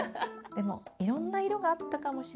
でもいろんな色があったかもしれないな。